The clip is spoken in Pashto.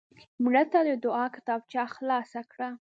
مړه ته د دعا کتابچه خلاص کړه